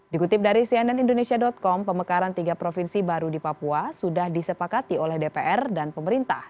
dikutip dari cnn indonesia com pemekaran tiga provinsi baru di papua sudah disepakati oleh dpr dan pemerintah